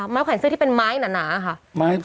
แขวนเสื้อที่เป็นไม้หนาค่ะ